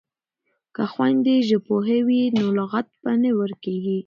که خویندې ژبپوهې وي نو لغاتونه به نه ورکیږي.